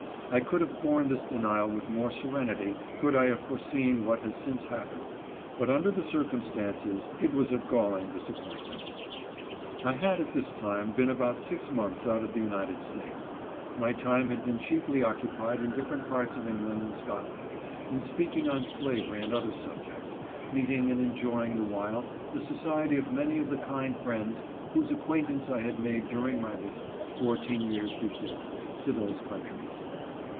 I could have borne this denial with more serenity could I have foreseen what has since happened, but under the circumstances it was a galling disappointment. I had at this time been about six months out of the United States. My time had been chiefly occupied in different parts of England and Scotland, in speaking on slavery and other subjects, meeting and enjoying the while the society of many of the kind friends whose acquaint ance I had made during my visit, fourteen years before, to those countries.